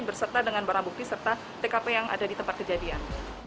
berserta dengan barang bukti serta tkp yang ada di tempat kejadian